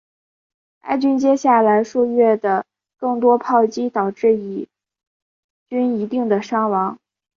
埃军接下来数月的更多炮击导致以军一定的伤亡。